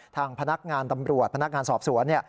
ทางพนักงานตำรวจพนักงานสอบสวน